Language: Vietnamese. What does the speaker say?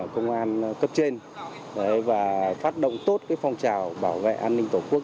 công an cấp trên và phát động tốt phong trào bảo vệ an ninh tổ quốc